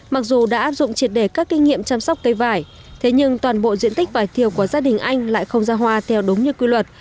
mặc dù đã áp dụng triệt đề các kinh nghiệm chăm sóc cây vải thế nhưng toàn bộ diện tích vải thiều của gia đình anh lại không ra hoa theo đúng như quy luật